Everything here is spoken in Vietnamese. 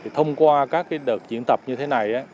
thông qua các đợt diễn tập như thế này